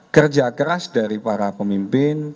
kerja keras dari para pemimpin